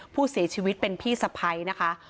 ผู้เสียชีวิตเป็นพี่สะพ้ายนะคะ